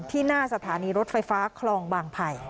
หน้าสถานีรถไฟฟ้าคลองบางไผ่